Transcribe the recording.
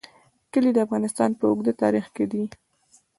کلي د افغانستان په اوږده تاریخ کې دي.